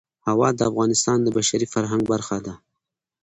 هوا د افغانستان د بشري فرهنګ برخه ده.